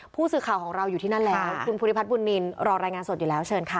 ผู้สื่อข่าวของเราอยู่ที่นั่นแล้วคุณภูริพัฒนบุญนินรอรายงานสดอยู่แล้วเชิญค่ะ